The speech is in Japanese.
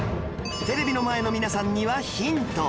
テレビの前の皆さんにはヒント